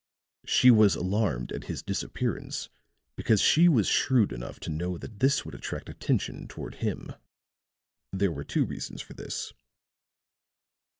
"She was alarmed at his disappearance because she was shrewd enough to know that this would attract attention toward him. There were two reasons for this.